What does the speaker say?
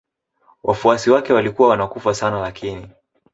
Wafuasi wake walikuwa wanakufa sana lakini